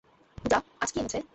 পূজা, আজ কী এনেছে?